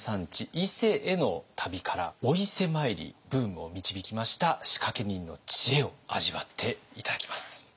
伊勢への旅からお伊勢参りブームを導きました仕掛け人の知恵を味わって頂きます。